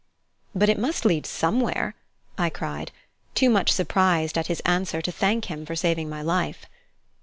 "But it must lead somewhere!" I cried, too much surprised at his answer to thank him for saving my life.